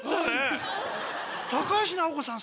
高橋尚子さん